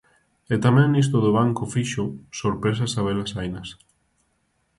E tamén nisto do banco fixo, sorpresas habelas hainas.